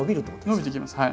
伸びてきます。